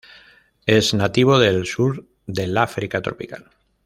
Es nativo del sur del África tropical.